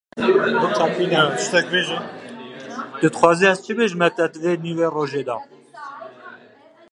Her sibeh tu diçî ku derê?